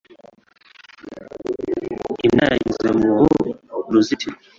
Imbwa yanyuze mu mwobo mu ruzitiro.